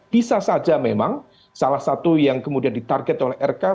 bisa saja memang salah satu yang kemudian ditarget oleh rk